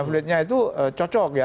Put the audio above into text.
fleetnya itu cocok ya